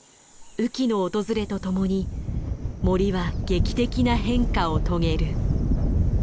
雨季の訪れとともに森は劇的な変化を遂げる。